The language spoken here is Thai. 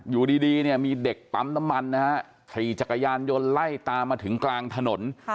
อยู่ดีเนี่ยมีเด็กปั๊มน้ำมันนะฮะขี่จักรยานยนต์ไล่ตามมาถึงกลางถนน